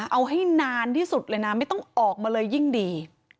เอาให้นานที่สุดเลยนะไม่ต้องออกมาเลยยิ่งดี